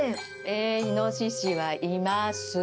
えイノシシはいます。